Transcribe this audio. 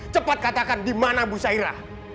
cepat katakan dimana ibu saira